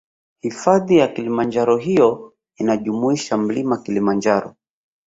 Hifadhi ya kilimanjaro hiyo inajumuisha mlima kilimanjaro